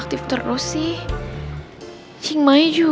kenapa perasaanku jadi ngenak kayak gini ya